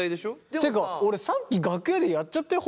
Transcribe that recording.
っていうか俺さっき楽屋でやっちゃったよ